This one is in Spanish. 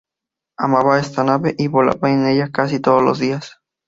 Amaba esta nave y volaba en ella casi todos los días.